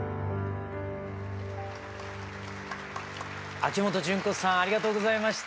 秋元順子さんありがとうございました。